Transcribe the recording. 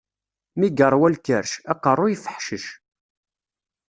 Mi iṛwa lkerc, aqeṛṛu ifeḥcec.